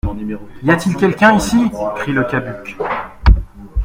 Y a-t-il quelqu'un ici ? crie Le Cabuc.